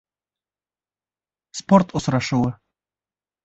Спорт осрашыуы